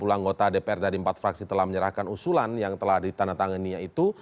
sepuluh anggota dpr dari empat fraksi telah menyerahkan usulan yang telah ditandatangani yaitu